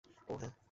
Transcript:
অহ, হ্যাঁ।